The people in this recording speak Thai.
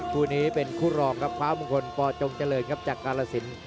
คู่นี้เป็นคู่รองครับฟ้ามงคลปจงเจริญครับจากกาลสิน